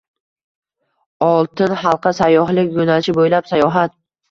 “Oltin halqa” sayyohlik yo‘nalishi bo‘ylab sayohat